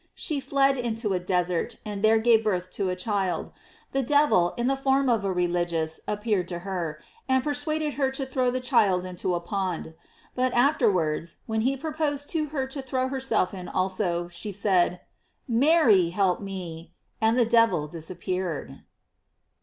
She fled into a desert, and there gave birth to a child. The devil, in the form * In Vita. B. Bern. Tolom. GLORIES OF MARY. ^05 ©f a religious, appeared to her, and persuaded her to throw the child into a pond. But after wards, when he proposed to her to throw herself in also, she said: "Mary, help me," and the dev il disappeared.